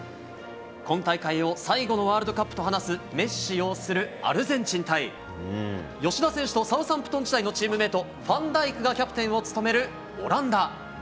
今大会を最後のワールドカップと話すメッシ擁するアルゼンチン対、吉田選手とサウサンプトン時代のチームメート、ファンダイクがキャプテンを務めるオランダ。